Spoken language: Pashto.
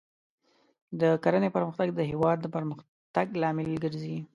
د کرنې پرمختګ د هېواد د پرمختګ لامل ګرځي.